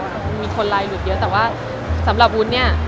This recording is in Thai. มีคนไลน์หลุดเยอะแต่ว่าสำหรับวุ้นเนี่ย